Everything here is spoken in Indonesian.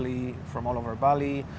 dari seluruh bali